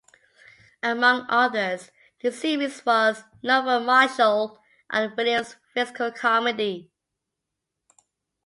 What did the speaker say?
Among others, the series was known for Marshall and Williams' physical comedy.